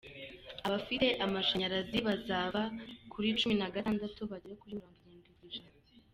Abafite amashanyarazi bazava kuri cumi nagatandatu bagere kuri mirongo irindwi kwijana